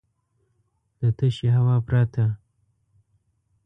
د تشې هوا پرته .